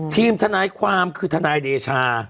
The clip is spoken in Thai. ทีมทนายความคือทนายเดชา